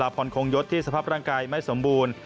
พรคงยศที่สภาพร่างกายไม่สมบูรณ์